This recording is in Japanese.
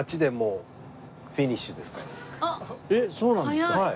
えっそうなんですか？